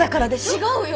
違うよ。